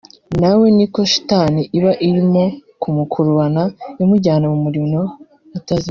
na we niko shitani iba irimo kummukurubana imujyana mu muriro utazima